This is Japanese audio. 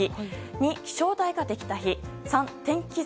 ２、気象台ができた日。